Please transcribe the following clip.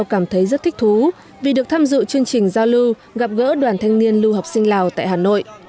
cảm thấy rất thích thú vì được tham dự chương trình giao lưu gặp gỡ đoàn thanh niên lưu học sinh lào tại hà nội